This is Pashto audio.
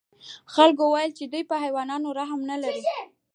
خلکو وویل چې دوی په حیوان رحم نه لري.